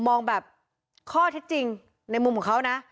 มองแบบข้อเท็จจริงในมุมของเขานะ